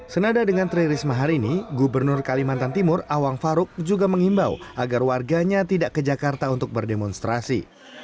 senada dengan tri risma hari ini gubernur kalimantan timur awang faruk juga mengimbau agar warganya tidak ke jakarta untuk berdemonstrasi